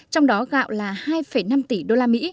trong đó gạo là hai năm tỷ usd